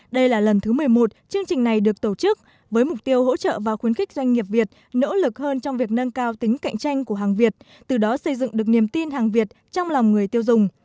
đây là lần thứ một mươi một chương trình này được tổ chức với mục tiêu hỗ trợ và khuyến khích doanh nghiệp việt nỗ lực hơn trong việc nâng cao tính cạnh tranh của hàng việt từ đó xây dựng được niềm tin hàng việt trong lòng người tiêu dùng